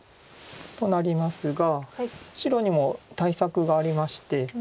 となりますが白にも対策がありまして。